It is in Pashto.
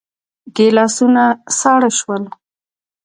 ګيلاسونه ساړه شول.